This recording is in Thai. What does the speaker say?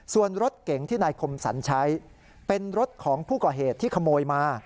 ส่วนรถเก๋งที่นายคมสรรใช้เป็นรถของผู้ก่อเหตุที่ขโมยมา